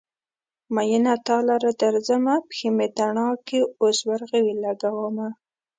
مينه تا لره درځمه : پښې مې تڼاکې اوس ورغوي لګومه